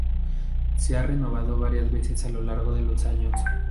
Se ha renovado varias veces a lo largo de los años.